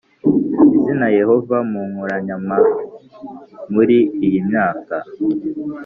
izina Yehova mu nkoranyamaMuri iyi myaka